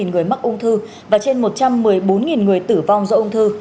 trên một trăm sáu mươi bốn người mắc ung thư và trên một trăm một mươi bốn người tử vong do ung thư